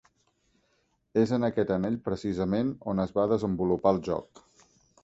És en aquest anell precisament on es va desenvolupar el joc.